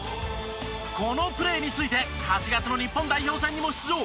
このプレーについて８月の日本代表戦にも出場